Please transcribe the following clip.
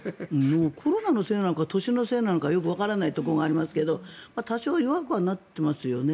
コロナのせいなのか年のせいなのかよくわからないところがありますけど多少、弱くはなってますよね。